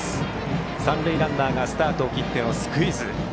三塁ランナーがスタートを切ってのスクイズ。